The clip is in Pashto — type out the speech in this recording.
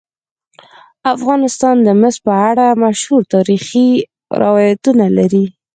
افغانستان د مس په اړه مشهور تاریخی روایتونه لري.